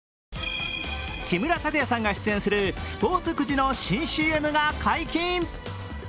木村拓哉さんが出演するスポーツくじの新ＣＭが解禁。